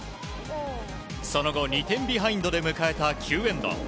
その後２点ビハインドで迎えた９エンド。